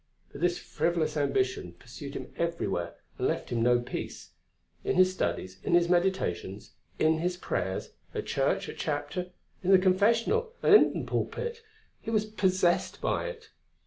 But this frivolous ambition pursued him everywhere and left him no peace. In his studies, in his meditations, in his prayers, at church, at chapter, in the confessional and in the pulpit, he was possessed by it.